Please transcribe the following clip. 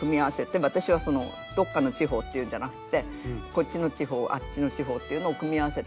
でも私はどっかの地方っていうんじゃなくてこっちの地方あっちの地方っていうのを組み合わせてデザインした。